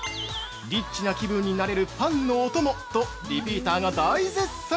「リッチな気分になれるパンのお供！」とリピーターが大絶賛！